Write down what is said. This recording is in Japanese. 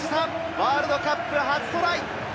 ワールドカップ初トライ！